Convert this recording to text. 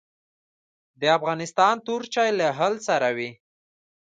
د افغانستان تور چای له هل سره وي